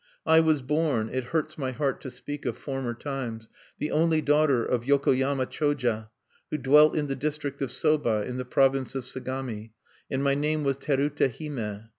"I was born (it hurts my heart to speak of former times!) the only daughter of Yokoyama Choja, who dwelt in the district of Soba, in the province of Sagami, and my name was Terute Hime.